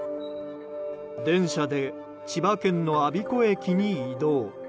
電車で千葉県の我孫子駅に移動。